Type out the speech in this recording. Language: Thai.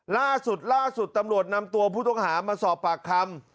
ล่าสุดล่าสุดตำรวจนำตัวผู้ต้องหามาสอบปากคำ